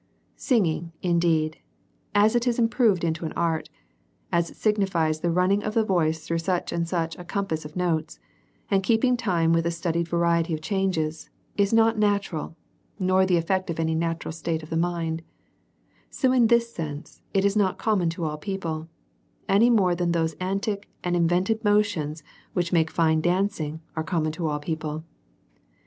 Singing, indeed, as it is improved into an art, as it signifies the running of the voice through such or such a compass of notes, and keeping time with a studied variety of changes, is not natural, nor the ett'ect of any 190 A b'ERIOUS CALL TO A natural state of the mind; so^ in this sense_, it is not common to all people^ any more that those antic and invented motions^ which make fine dancing , are com mon to all people.